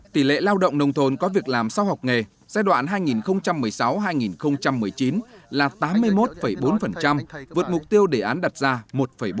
tỷ lệ lao động nông thôn có việc làm sau học nghề giai đoạn hai nghìn một mươi sáu hai nghìn một mươi chín là tám mươi một bốn vượt mục tiêu đề án đặt ra một bốn mươi